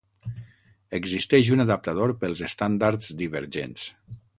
Existeix un adaptador pels estàndards divergents.